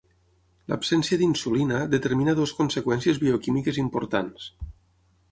L'absència d'insulina determina dues conseqüències bioquímiques importants.